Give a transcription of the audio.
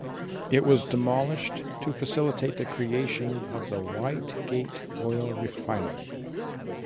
It was demolished to facilitate the creation of the Whitegate oil refinery.